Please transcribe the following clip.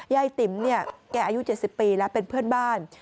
ยายติ๋มเนี่ยแกอายุ๗๐ปีแล้วเป็นเพื่อนบ้าน